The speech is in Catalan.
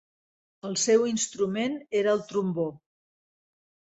El seu instrument era el trombó.